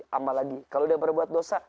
kalau sudah berbuat dosa